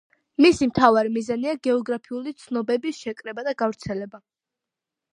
მისი მთავარი მიზანია გეოგრაფიული ცნობების შეკრება და გავრცელება.